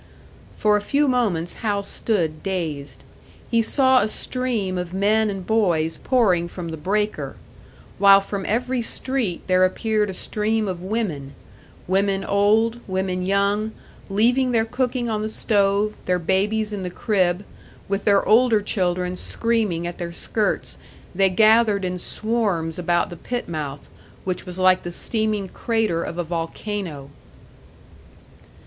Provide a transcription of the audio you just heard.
For a few moments Hal stood dazed. He saw a stream of men and boys pouring from the breaker; while from every street there appeared a stream of women; women old, women young leaving their cooking on the stove, their babies in the crib, with their older children screaming at their skirts, they gathered in swarms about the pit mouth, which was like the steaming crater of a volcano.